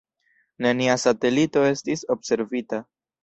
Nenia satelito estis observita.